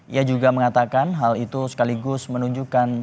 ia juga mengatakan hal itu sekaligus menunjukkan